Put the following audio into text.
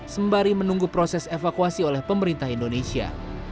sembari menunggu proses evakuasi oleh pemerintah indonesia